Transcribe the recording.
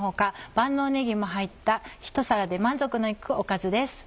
万能ねぎも入ったひと皿で満足の行くおかずです。